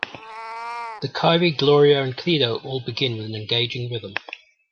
The Kyrie, Gloria and Credo all begin with an engaging rhythm.